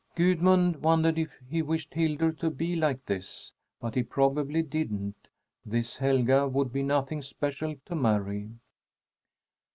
Gudmund wondered if he wished Hildur to be like this, but he probably didn't. This Helga would be nothing special to marry.